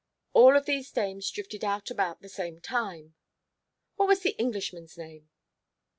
All of these dames drifted out about the same time " "What was the Englishman's name?"